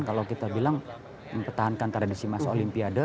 kalau kita bilang mempertahankan tradisi masa olimpiade